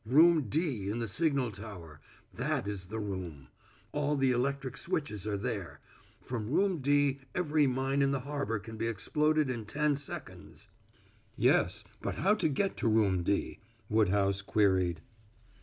Room D in the signal tower that is the room. All the electric switches are there. From Room D every mine in the harbor can be exploded in ten seconds." "Yes, but how to get to Room D?" Woodhouse queried.